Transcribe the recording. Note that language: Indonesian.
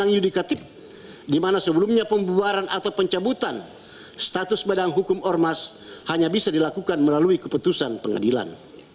a perpu ormas telah merampas huwenang yudikatip di mana sebelumnya pembuaran atau pencabutan status badan hukum ormas hanya bisa dilakukan melalui keputusan pengadilan